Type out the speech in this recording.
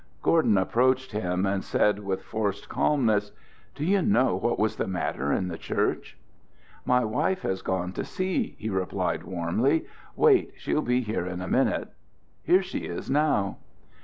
Gordon approached him, and said with forced calmness: "Do you know what was the matter in the church?" "My wife has gone to see," he replied, warmly. "Wait; she'll be here in a minute. Here she is now."